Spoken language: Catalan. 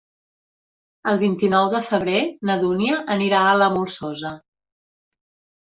El vint-i-nou de febrer na Dúnia anirà a la Molsosa.